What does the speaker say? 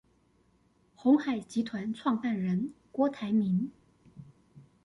鴻海集團創辦人郭台銘